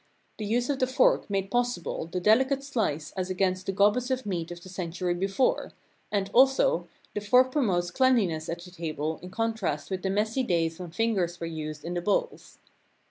The use of the fork made possible the delicate slice as against the gobbets of meat of the century before, and, also, the fork promoted cleanliness at trie table in contrast with the messy days when fingers were used in the bowls.